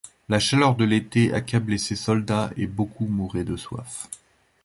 La chaleur de l'été accablait ses soldats et beaucoup mouraient de soif.